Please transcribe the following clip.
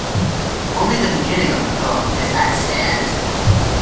Only the beginning of the poem is extant.